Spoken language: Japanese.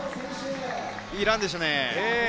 いいランでしたね。